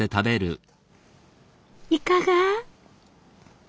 いかが？